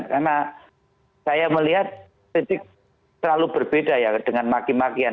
karena saya melihat kritik terlalu berbeda ya dengan maki makian